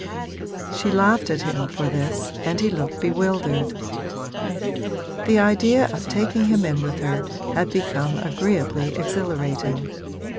She laughed at him for this and he looked bewildered; the idea of taking him in with her had become agreeably exhilarating.